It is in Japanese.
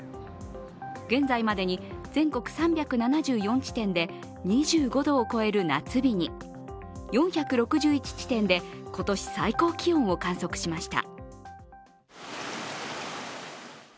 現在までに全国３７４地点で２５度を超える夏日に、４６１地点で今年最高気温を観測しました。